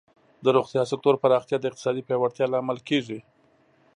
د روغتیا سکتور پراختیا د اقتصادی پیاوړتیا لامل کیږي.